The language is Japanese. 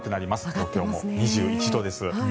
東京も２１度です。